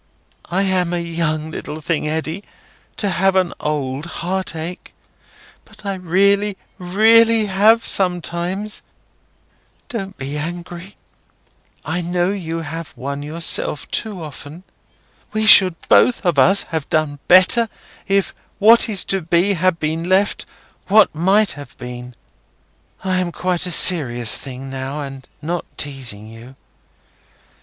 I am a young little thing, Eddy, to have an old heartache; but I really, really have, sometimes. Don't be angry. I know you have one yourself too often. We should both of us have done better, if What is to be had been left What might have been. I am quite a little serious thing now, and not teasing you.